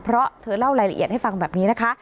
เพราะเธอเล่ารายละเอียดให้ฟังแบบนี้นะคะ